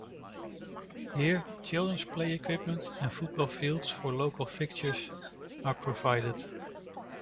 Here children's play equipment and football fields for local fixtures are provided.